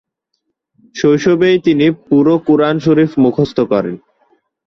শৈশবেই তিনি পুরো কুরআন শরিফ মুখস্থ করেন।